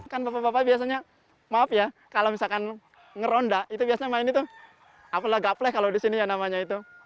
kan bapak bapak biasanya maaf ya kalau misalkan ngeronda itu biasanya main itu apalah gaple kalau di sini ya namanya itu